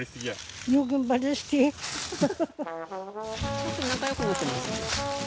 ちょっと仲よくなってますね。